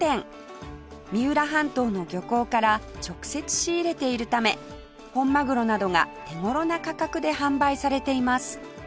三浦半島の漁港から直接仕入れているため本まぐろなどが手頃な価格で販売されています